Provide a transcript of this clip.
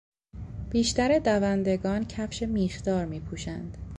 بیشتر دوندگان کفش میخدار میپوشند.